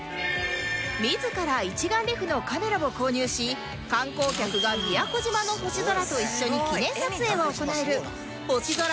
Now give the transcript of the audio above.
自ら一眼レフのカメラを購入し観光客が宮古島の星空と一緒に記念撮影を行える星空